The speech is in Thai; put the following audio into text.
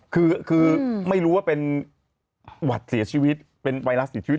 คือไม่รู้ว่าเป็นหวัดเสียชีวิตเป็นไวรัสเสียชีวิต